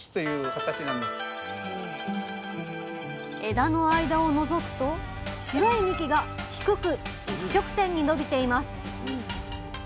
枝の間をのぞくと白い幹が低く一直線に伸びています。